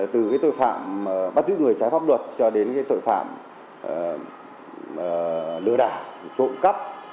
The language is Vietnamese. từ tội phạm bắt giữ người trái pháp luật cho đến tội phạm lừa đả rộn cắp